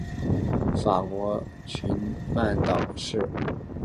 法罗群岛杯是法罗群岛的一项球会淘汰制杯赛的足球赛事。